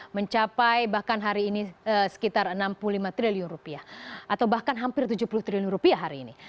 mencapai bahkan hari ini sekitar enam puluh lima triliun rupiah atau bahkan hampir tujuh puluh triliun rupiah hari ini